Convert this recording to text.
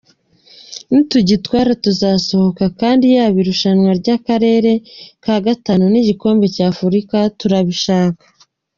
Nitugitwara tuzasohoka kandi yaba irushanwa ry’Akarere ka Gatanu n’igikombe cya Afurika turabishaka.